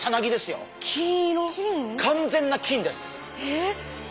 完全な金です！え！？